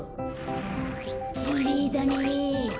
きれいだね。